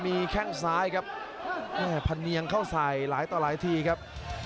ซึ่งทางซ้ายครับแผนงเข้าสายหลายที่ครับ